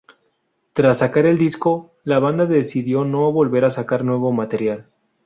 Tras sacar el disco la banda decidió no volver a sacar nuevo material.